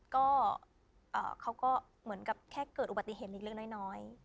ก็เขาก็เหมือนกับแค่เกิดอุบัติเหตุเล็กน้อย